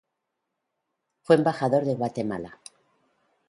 Fue embajador de Guatemala.